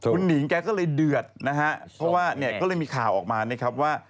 คุณหนิงแกก็เลยเดือดนะฮะเพราะว่าเนี่ยก็เลยมีข่าวออกมานะครับว่า